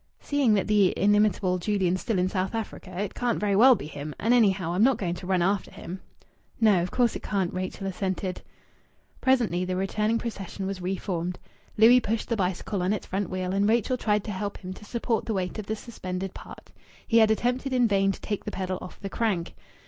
"Seeing that the inimitable Julian's still in South Africa, it can't very well be him. And, anyhow, I'm not going to run after him." "No, of course it can't," Rachel assented. Presently the returning procession was re formed. Louis pushed the bicycle on its front wheel, and Rachel tried to help him to support the weight of the suspended part. He had attempted in vain to take the pedal off the crank.